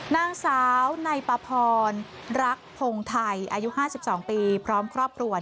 นางสาวนายปภรรรักพงธัยอายุห้าสิบสองปีพร้อมครอบครัว